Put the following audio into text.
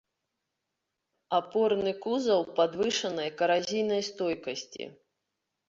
Апорны кузаў падвышанай каразійнай стойкасці.